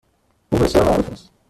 او بسیار معروف است.